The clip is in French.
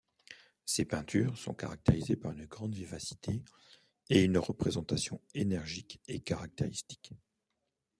Ses peintures sont caractérisées par une grande vivacité et une représentation énergique et caractéristique.